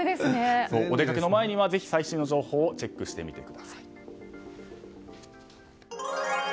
お出かけの際には最新の情報をチェックしてみてください。